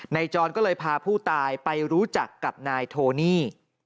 จรก็เลยพาผู้ตายไปรู้จักกับนายโทนี่